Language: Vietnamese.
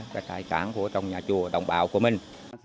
cái tài sản của trong nhà chùa đồng bào của mình